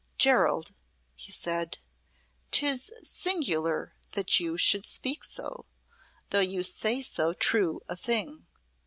"Gerald," he said, "'tis singular that you should speak so, though you say so true a thing.